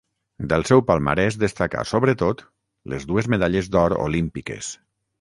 Del seu palmarès destaca, sobretot, les dues medalles d'or olímpiques.